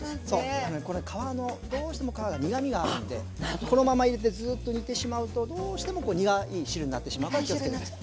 皮のどうしても皮が苦みがあるんでこのまま入れてずっと煮てしまうとどうしても苦い汁になってしまうから気をつけてください。